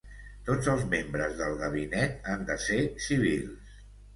Tots els membres del Gabinet han de ser civils.